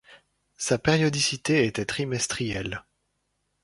Sa périodicité était trimestrielle.